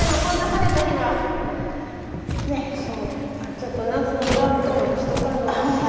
ちょっと夏の座布団も干しとかんなんし。